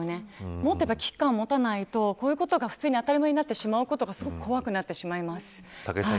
もっと危機感を持たないとこういうことが当たり前になってしまうことが怖くなってしまいます。